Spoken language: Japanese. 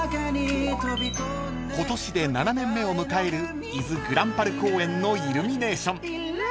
［今年で７年目を迎える伊豆ぐらんぱる公園のイルミネーション］